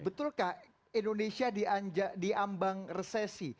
betulkah indonesia diambang resesi